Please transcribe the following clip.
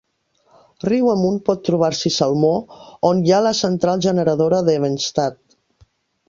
Riu amunt pot trobar-s'hi salmó, on hi ha la central generadora d'Evenstad.